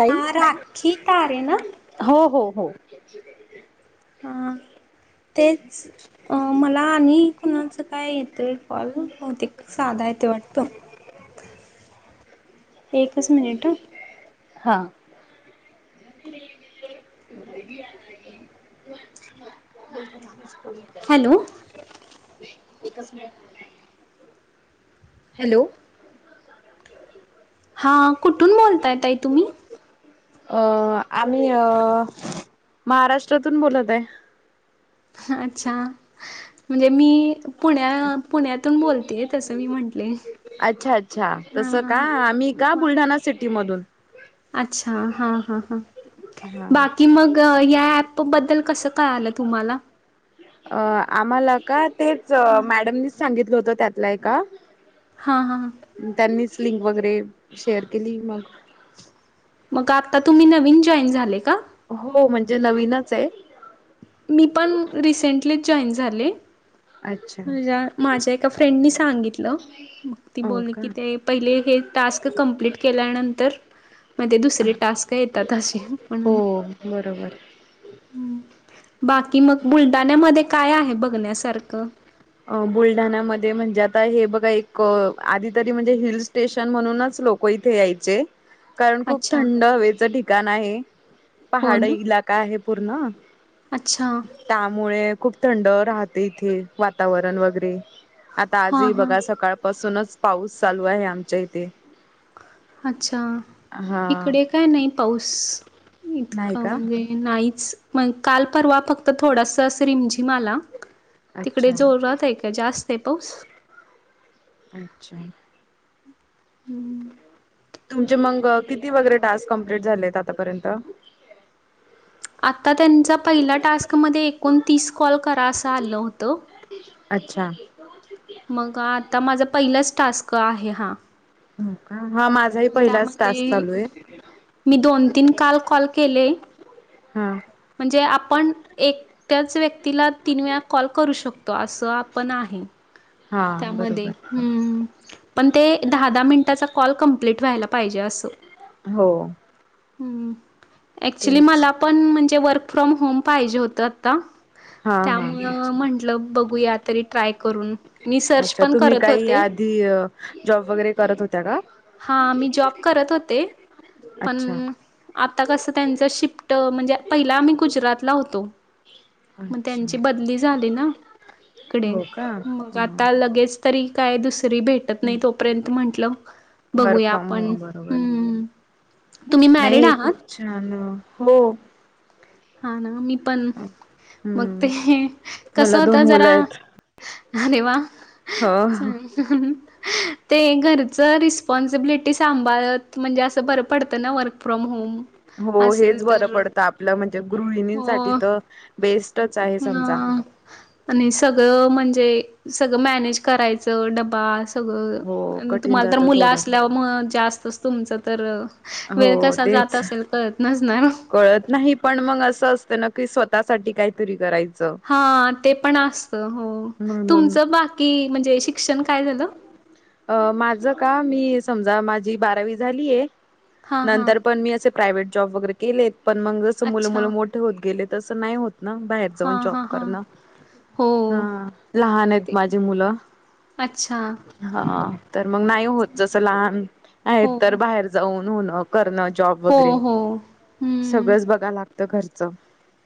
का हा राखी तारे ना हो हो हो हा तेच अं मला आणि कुणाच काय येतंय कॉल बहतेक साधा येत वाटत एकच मिनिट हा [inaudible] हॅलो हॅलो हा कुठून बोलतायई तुम्ही अ आम्ही अ महाराष्ट्रातून बोलत आहे अच्छा म्हणजे मी पुण्या पुण्यातून बोलते तसं मी म्हटले अच्छा अच्छा तस का आम्ही का हा बुलढाणा सिटी मधून अच्छा हा हा हा हा बाकी मग या पबद्दल कस काय आलं तुम्हाला अ आम्हाला का तेच हा मॅडमनीच सांगितलं होत, त्यातलाय का, हा हा, लिंक वगैरे शेअर केली मग, मग आता तुम्ही नवीन जॉईन झाले का? हो म्हणजे नवीनच आहे, मी पण रिसेंटली जॉईन झाले, अच्छा म्हज्या माझ्या एका फ्रेंडनी सांगितलं. मग ती हो बोलली का की ते पहिले हे टास्क कंप्लीट केल्यानंतर, मध्ये दुसरे टास्क येतात असे हो म्हणून, बरोबर बाकी मग बुलढाण्यामध्ये काय आहे बघण्यासारखं? अ बुलढाण्यामध्ये म्हणजे, आता हे बघा एक आधी तरी म्हणजे हिल स्टेशन म्हणूनच, लोक इथे यायचे, कारण खूप अच्छा थंड हवेचं ठिकाण आहे, हो पहाड ना इलाका आहे, अच्छा त्यामुळे खूप थंड राहते इथे, वातावरण वगैरे आता, हां आजही हां बघा सकाळपासूनच पाऊस चालू आहे आमच्या इथे, अच्छा, हा इकडे काय नाही पाऊस नाही इतका का म्हणजे नाहीच, मग काल परवा फक्त थोडास अस रिमझिमला आला, तिकडे अच्छा जोर रात आहे, का जास्त आहे पाऊस, [unintelligible] हम्म, तुमचे मग किती वगैरे टास्क कंप्लीट झाले आतापर्यंत, आता त्यांचा पहिल्या टास्कमध्ये एकोणतीस कॉल करा, असं आलं होतं. अच्छा, मग आता माझा पहिलाच टास्क आहे हा, हो का हा माझाही पहिलाच टास्क त्यामध्ये, चालू आहे मी दोन तीन काल कॉल केले. हा म्हणजे, आपण एक त्याच व्यक्तीला तीन वेळा कॉल करू शकतो. असं आपण आहे, हा त्यामध्ये बरोबर हम, पण ते दहा, दहा मिनिटाचा कॉल कंप्लीट व्हायला पाहिजे असो हो, ऍक्चुली तेच मला पण म्हणजे, वर्क फ्रॉम होम पाजे होत आता, हा हा त्यामु अच्छा म्हटलं बघू या तरी ट्राय करून, मी सर्च अच्छा पण तुम्ही करत काही होते. आधी जॉब वगैरे करत होते? हा मी जॉब करत होते. अच्छा पण आता कस, त्यांच शिफ्ट म्हणजे पहिला आम्ही गुजरातला होतो. मग त्यांची अच्छा बदली झाली ना, इकडे हो का मग आता लगेच, तरी का आहे दुसरी, री भेटत नाही तोपर्यंत म्हंटलं वर्क बघूया फ्रॉम आपण होम बरोबर आहे हम, नाही खूप छान हो, हा ना मी, पण मग ते हम्म कस मला दोन होतं मुलं जरा, आहेत अरे वा च, हो ते घरचं रिस्पॉन्सिबिलिटी सांभाळत म्हणजे, असं बरं पडतं ना वर्क फ्रॉम होम. हो असेल हेच बरं तर पडतं, आपलं म्हणजे, हो गृहिणींसाठी तर बेस्टच आहे. समजा, डम्हणजे सगळं मॅनेज करायचं डबाास, हो सगळं कठीण तुम्हाला तर जातं मुलं, थोडं असल्यावर मग जास्तच तुमचं तर, हो वेळ कसा जात तेच असेल कळत नसणार, कळत नाही, पण मग असं असतं ना की स्वतःसाठी काहीतरी करायचं. हा ते पण असत, हो म्हणून तुमचं बाकी म्हणजे शिक्षण काय झालं? अ माझं का मी समजा माझी बारावी झालीय हा हा नंतर पण मी असे प्रायव्हेट जॉब वगैरे केलेत पण मग जसं मुलं अच्छा. मु मोठे होत गेले तसं नाही होत ना बाहेर हा जाऊन जॉब हा हा करणं हो हा लहान आहेत ते माझे मुलं अच्छा. हा तर मग नाही होत जस लहान आहेत हो, तर बाहेर जाऊन होण करण हो हो हं. सगळंच बघा लागतं घरच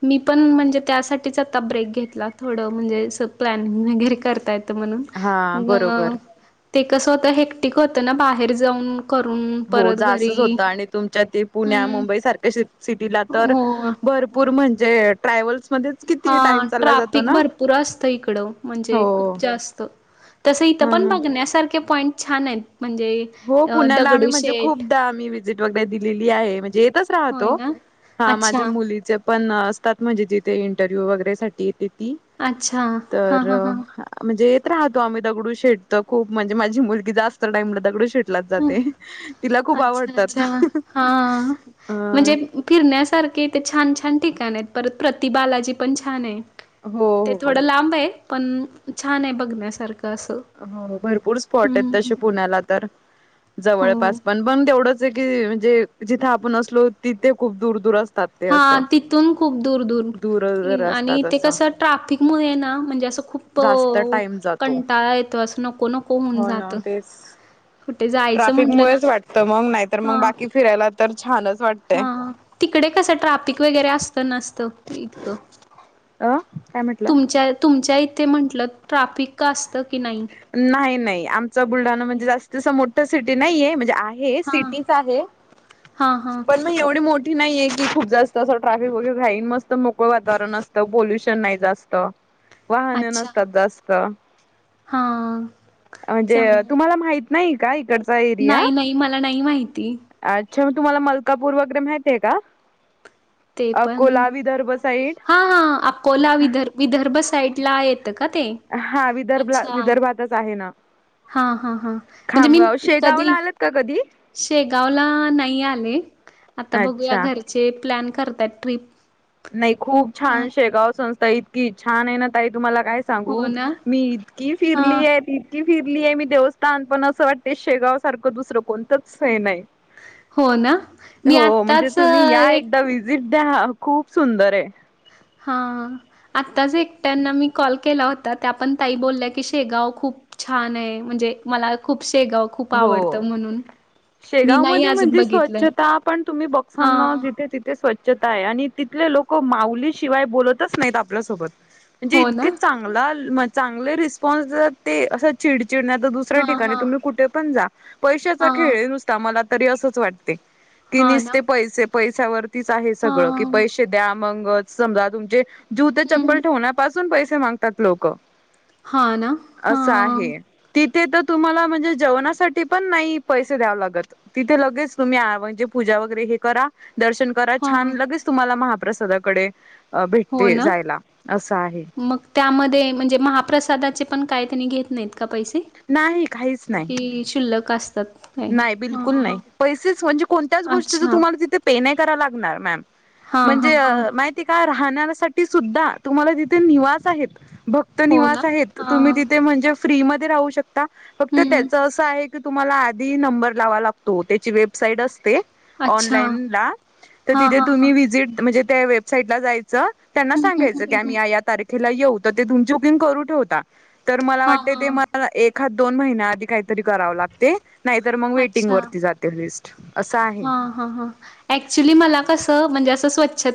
मी पण म्हणजे त्यासाठीच आता ब्रेक घेतला थोडं म्हणजे प्लॅनिंग वगैरे करतायत ण हा बरोबर मग ते स्वतः हेटिक होत ना बाहेर जाऊन करून हो परत जास्च घरी होतं आणि तुमच्या ते पुण्या हं. मुंबई सारख्या श सिटीला तर हो. भरपूर म्हणजे, ट्रॅव्हल्स मध्येच हा किती टाइम चालला जातो ट्राफिक ना भरपूर असतं, इकडं. म्हणजे हो खूप जास्त. तसं इथं हा पण ना बघण्यासारखे पॉईंट छान आहेत. म्हणजे हो अ पुण्याला, आम्ही म्हणजे दगडूशेठ खूपदा आम्ही वीजिट वगैरे दिलेली. या आहे. म्हणजे इथेच होय राहतो ना? अच्छा, माझ्या मुलीच्या पण असतात म्हणजे तिथे इंटरव्ह्यू वगैरे साठी येते ती. अच्छा. तर हां, हां, हां. म्हणजे राहतो आम्ही 'दगडू शेट 'खूप म्हणजे माझी मुलगी जास्त टाईम ला, दगडू शेट शेट ला हं. जाते तिला खूप अच्छा आवडतात. अच्छा हा. अ म्हणजे फिरण्यासारखे इथे छान, छान. ठिकाण आहेत. परत प्रतिबालाजी पण छान आहे हो ते हो थोडं लांब आहे. पण छान आहे, बघण्यासारखं. असं. हो. भरपूर स्पॉट आहेत, हम्म तसे पुण्याला तर. हो जवळपास. पण [unintelligible] तेवढंच आहे की म्हणजे जिथं आपण असलो तिथे खूप दूर दूर अस हा तिथून, खूप दूर दूर दूर आणि असतात ते असं कसं ट्राफिक मुळे ना म्हणजे असं खूप जास्त तो टाइम जातो. कंटाळा ये असं नको नको होऊन हो जात. ना तेच ट्राफिक मुळेच वाटत. मग नाहीतर हा मग बाकी फिरायला तर छानच. वाटतय. हा. तिकडे कसं ट्राफिक वगैरे असतं नसत. इतकं अ काय म्हटलं तुमच्या, तुमच्या इथ ते म्हंटलं, ट्राफिक का असतं? की नाही? नाही नाही आमचा बुलढाणा म्हणजे जास्त असं मोठ सिटी नाहीे म्हणजे आहे हां. सिटीज आहे, हां, हां. पण मग एवढी मोठी नाहीे. की खूप जास्त असं ट्राफिक वगैरे. घाईन, मस्त मोकळ वातावरण असतं, पोल्युशन नाही जास्त. वाहन अच्छा. नसतात जास्त, हां. म्हणजे चांगलं. तुम्हाला माहित नाही काय हिक नाही, नाही मला नाही माहिती. अच्छा म तुम्हाला, ' मलकापूर 'वगैरे माहितीय का? अकोला, विदर्भ. साईड हा हा अकोला, विदर् विदर्भ, साईड ला येतं का ते? हा विदर्भ विदर्भातच आहे ना. हा हा हा म्हणजे मी, खामगाव शेगावला कधी आलात का कधी शेगावला नाही आले. आता बघूया अच्छा घरचे प्लॅन करतात ट्रिप. नाही खूप हां. छान! शेगाव-संस्था इतकी छान आहे ना, ताई तुम्हाला काय हो सांगू ना? मी इतकी हां. फिरली आहे. इतकी फिरली आहे मी देवस्थान. पण असं वाटते शेगाव सारखं दुसरं कोणतंच हे नाही. हो ना? मी हो, म्हणजे आत्ताच अ, तुम्ही या एक एकदा, विजिट द्या. खूप सुंदर आहे! हा. आत्ताच एक त्यांना, मी कॉल केला होता त्या पण ताई बोलल्या, की शेगाव खूप छान आहे. म्हणजे मला खूप शेगाव खूप आवडतं म्हणून. मी शेगाव नाही मध्ये अजून म्हणजे बघितलं. स्वच्छता पण तुम्ही [unintelligible] हां. जिथे तिथे स्वच्छ आणि तिथले लोक माउली शिवाय बोलतच नाहीत आपल्यासोबत म्हणजे हो इतक ना? चांगल ग चांगले रिस्पॉन्स ते अस चिडचिड नाही दुसऱ्या हां, ठिकाणी हां. तुम्ही कठ पशाचा हां. खेळ नुसता मला तरी असच वाटते की हां ना? नसते पैसे पैश्यावरतीच आहे सगळं कि हां. पैसे द्या मग समजा तुमचे जुते हं. चप्पल ठेवण्यापासून पैसे मागतात लोक हां ना? अस हां. आहे तिथे तर तुम्हाला म्हणजे जेवणासाठी पण नाही पैसे द्याववे लागत तिथे लगेच तुम्ही म्हणजे पूजा वगैरे हे करा दर्शन करा छान हां. लगेच तुम्हाला महाप्रसादाकडे हो भेटते ना जायला असं आहे. मग त्यामध्ये म्हणजे महाप्रसादा पण काय त्यांनी घेत नाहीत का पैसे नाही काहीच नाही की शुल्लक असतात काय? नाही हां, बिलकुल हां, हां. नाही पैसेच म्हणजे कोणत्याच गोष्टी तिथं अच्छा. तुम्हाला तिथे पे नाही करायला लागणार मॅम हां, म्हणजे हां, हां. माहिती काय खण्यासाठी सुद्धा तुम्हाला तिथे निवास आहेत भक्त हो ना निवास आहेत हा तुम्ही तिथे म्हणजे फ्री म राहू शकता फक्त हम्म त्याच असं आहे तुम्हाला आधी नंबर लावा लागतो त्याची वेबसाईट असते अच्छा तथ हा हा त हा म्हण त्या वेबसाईटला जायच त्यांना सांगायचं की आम्ही या तारखेला येऊ तर ते तुमची बुकिंग करू ठेवता तर मला हा वाटते हा ते मला एक हा दोन महिन्या आधी काहीतरी करावं लागते तर मग वेटिंग वरती जाते लिस्ट असं आहे ह ह ह ऍक्चुली मला कस म्हणजे अस स्वच्छ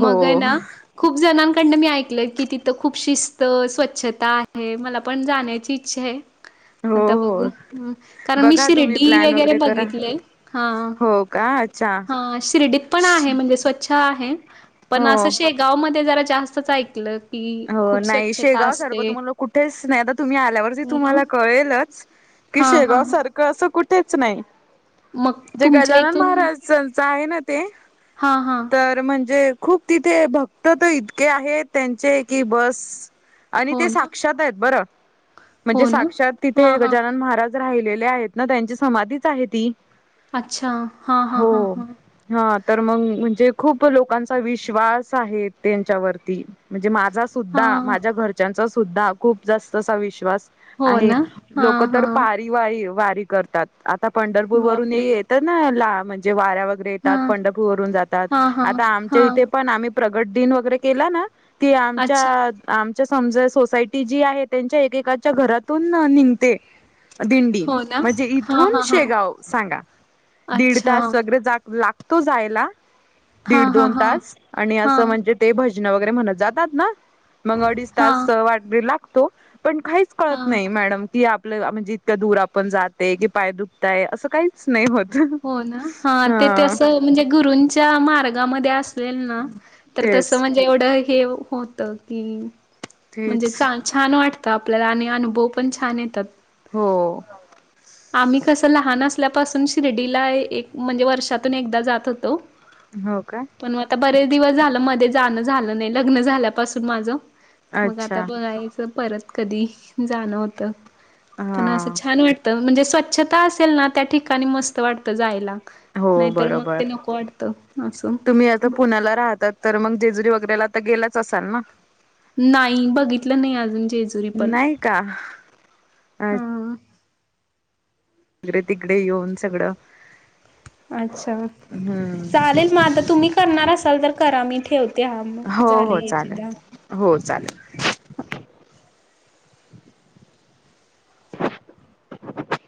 हो वग ख कडन मी ऐकलं की तिथं खूप शिस्त स्वच्छता आहे मला पण जाण्याची इच्छा आहे हो आता हो बघू कारण मी बघा तुम्ही शिर्डी प्लॅन वगैरे करा बघितलंय हा हो का अच्छा हा शिर्डीत पण आहे म्हणजे स्वच्छ आहे पण हो अस गाव म ज जास्तच ऐकलं की हो खूप नाही स्वच्छता शेगाव सारखं असते. तुम्हाला कुठेच नाही आता तुम्ही आल्यावरती हो ना? तुम्हाला कळेलच की हां, शेगाव हां, हां. सारखं असं कुठेच नाही मग जे तुमच्या गजानन इथून महाराज संचा आहे ना हां, हां. तर म्हणजे खूप तिथे भक्त तर इतके आहेत त्यांचे की बस आणि हो ते ना? साक्षात आहेत बरं म्हणजे हो ना? साक्षात तिथे हां, हां. गजानन महाराज राहिलेले आहेत ना त्यांची समाधीच आहे ती अच्छा हा हा हा हो. हा हा तर मग म्हणजे खूप लोकांचा विश्वास आहे त्यांच्यावरती म्हणजे म माझा सुद्धा हां. माझ्या घरच्यांचा सुद्धा खूप जास्त असा विश्वास हो आहे ना? लोक हां, तर हां. पारी वारी वारी करतात आता पंढरपूर वरून ये बापरे! येत ना ला म्हणजे येतात हां. पंढपूरून जात हां, हां, आता आमच्या हां. इथे पण आम् प्रगट दिन वगैरे केला ना त अच्छा. आमच्या समज सोसायटी जी आहे त्यांच्या एकेकाच्या घरातून निघते दिंडी हो ना? म्हणजे हां, इथून हां, हां. शेगाव सांगा दीड अच्छा. तास सगळ जा लाग तो जायला हां, दीड हां, दोन हां. तास आणि अस हां, म्हणजे ते भज वगरे म्हणत जातात ना मग अडीच हां, तास वाटरी लागतो पण काहीच कळत हां. नाही मॅडम की आप म्हणजे इतकं दूर आपण जाते की पाय दुखतय असं काहीच नाही होत हो ना हा ते म्हणजे गरूंच्या मार्गामध्ये अस असल ना तर तस तेच म्हणजे एवढं हे होत की म्हणजे तेच छान वाटतं आपल्याला आणि अनुभव पण छान येतात हो आम्ही कसं लहान असल्यापासून शिर्डीला एक म्हणजे वर्षातून एकदा जात होतो हो काय पण आता बरेच दिवस झालं मध्ये जाणं झालं नाही लग्न झाल्यापासून माझ मग आता अच्छा बघायचं परत कधी जाणं होतं पण असं हा छान वाटत म्हणजे स्वच्छता असेल ना त्या ठिकाणी मस्त वाटत जायला हो नाहीतर मग बरोबर ते नको वाटतं असं. तुम्ही आता पुण्याला राहतात तर मग जेजुरी वगैरेला आ गेलाच असाल ना नाही बघितलं नाही अजून जेजुरी पण हा अच् वगरे तिकडे येऊन सगळं अच्छा हम्म चालेल म आता तुम्ही करणार असाल तर करा मी ठेवतो ते मग हो हो झाले याचे द चालेल हो चालेल [inaudible]